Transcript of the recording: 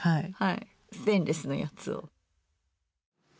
ステンレスのやつを。